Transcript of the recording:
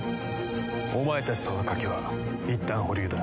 お前たちとの賭けはいったん保留だ。